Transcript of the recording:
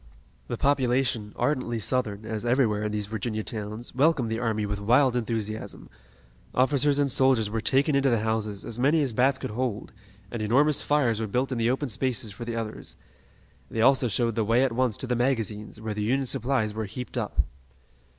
The population, ardently Southern, as everywhere in these Virginia towns, welcomed the army with wild enthusiasm. Officers and soldiers were taken into the houses, as many as Bath could hold, and enormous fires were built in the open spaces for the others. They also showed the way at once to the magazines, where the Union supplies were heaped up.